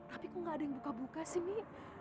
tapi kok gak ada yang buka buka sih mi